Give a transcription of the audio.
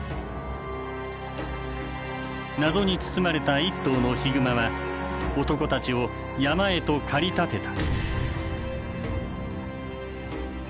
謎に包まれた一頭のヒグマは男たちを山へと駆り立てた。